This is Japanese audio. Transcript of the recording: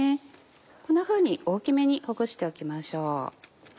こんなふうに大きめにほぐしておきましょう。